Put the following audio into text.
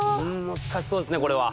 難しそうですねこれは。